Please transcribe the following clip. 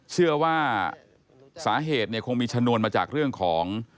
เชื่อว่าสาเหตุเนี่ยคงมีชนวนมาจากเรื่องของ